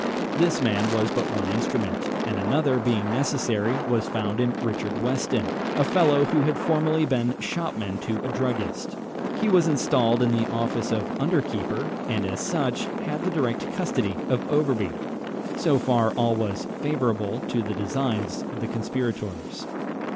This man was but one instrument; and another being necessary, was found in Richard Weston, a fellow who had formerly been shopman to a druggist. He was installed in the office of under keeper, and as such had the direct custody of Overbury. So far all was favourable to the designs of the conspirators.